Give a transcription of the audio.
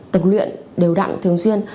tập luyện đều đặn thường xuyên